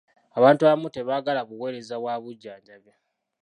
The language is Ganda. Abantu abamu tebaagala buweereza bwa bujjanjabi.